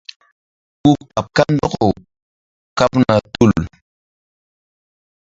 Ku kaɓ kandɔk kaɓna tul.